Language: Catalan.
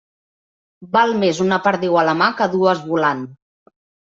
Val més una perdiu a la mà que dues volant.